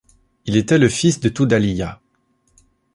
Il était le fils de Tudhaliya.